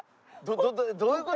どういう事？